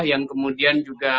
yang kemudian juga